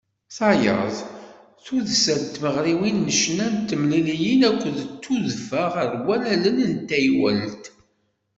Tayeḍ, tuddsa n tmeɣriwin n ccna d temliliyin akked tudfa ɣer wallalen n taywalt.